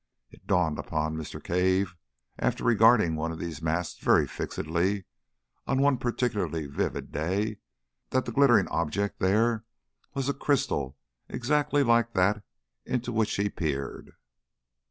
It dawned upon Mr. Cave, after regarding one of these masts very fixedly on one particularly vivid day, that the glittering object there was a crystal exactly like that into which he peered.